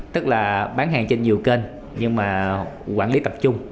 tức là bán hàng trên nhiều kênh nhưng mà quản lý tập trung